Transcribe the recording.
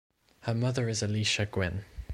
Her mother is Alicia Gwynn.